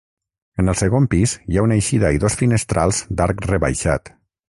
En el segon pis hi ha una eixida i dos finestrals d'arc rebaixat.